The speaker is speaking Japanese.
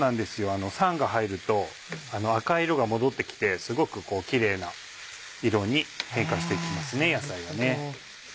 酸が入ると赤い色が戻って来てすごくきれいな色に変化して行きますね野菜がね。